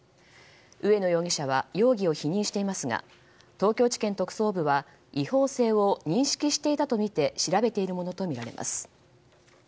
植野容疑者は容疑を否認していますが東京地検特捜部は違法性を認識していたとみて調べているものとみられます。